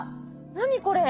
何これ？